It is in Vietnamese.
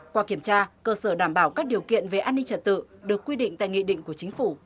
qua kiểm tra cơ sở đảm bảo các điều kiện về an ninh trật tự được quy định tại nghị định của chính phủ